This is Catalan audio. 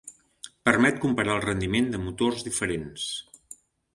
Permet comparar el rendiment de motors diferents.